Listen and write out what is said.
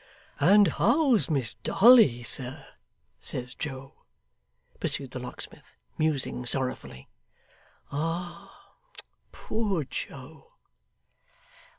"And how's Miss Dolly, sir?" says Joe,' pursued the locksmith, musing sorrowfully, 'Ah! Poor Joe!